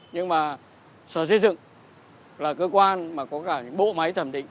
nhưng mà sở xây dựng là cơ quan mà có cả những bộ máy thẩm định